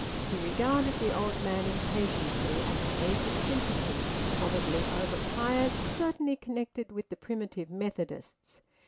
He regarded the old man impatiently as an aged simpleton, probably over pious, certainly connected with the Primitive Methodists.